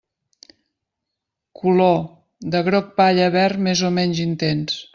Color: de groc palla a verd més o menys intens.